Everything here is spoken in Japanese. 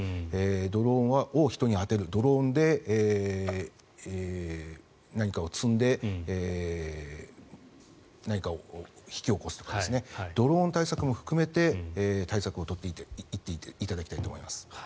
ドローンを人に当てるドローンに何かを積んで何かを引き起こすとかドローン対策も含めて対策を取っていっていただきたいと思います。